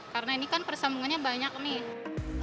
karena ini kan persambungannya banyak nih